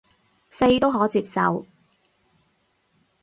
四都可接受